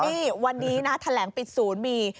อี้วันนี้นะแถลงปิด๐มี